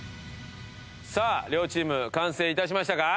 さあ両チーム完成致しましたか？